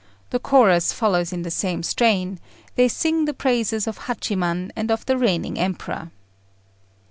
The chorus follows in the same strain: they sing the praises of Hachiman and of the reigning Emperor.